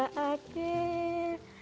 bahwa apa yang saya kelas